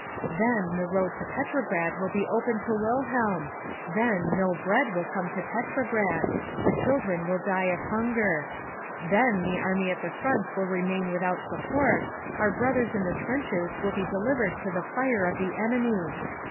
"Then, the road to Petrograd will be open to Wilhelm. Then, no bread will come to Petrograd, the children will die of hunger. Then, the Army as the front will remain without support, our brothers in the trenches will be delivered to the fire of the enemy.